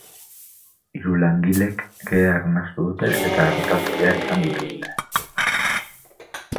Hiru langilek kea arnastu dute eta artatu behar izan dituzte.